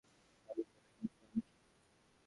আমি বলি, তোমার প্ল্যান কী?